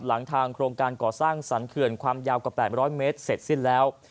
ทางโครงการก่อสร้างสรรเขื่อนความยาวกว่า๘๐๐เมตรเสร็จสิ้นแล้ว